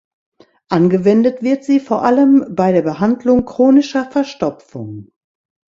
Angewendet wird sie vor allem bei der Behandlung chronischer Verstopfung.